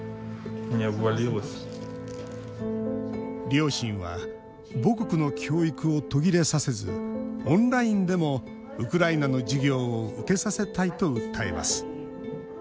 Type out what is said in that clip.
両親は母国の教育を途切れさせずオンラインでもウクライナの授業を受けさせたいと訴えます。